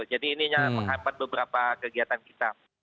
jadi ini yang menghampat beberapa kegiatan kita